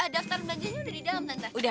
daftar belanjanya udah di dalam tante